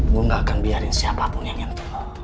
gua gak akan biarin siapapun yang ngantuk lo